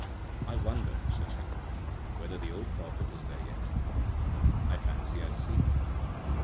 "I wonder," says he, "whether the old prophet is there yet? I fancy I see him."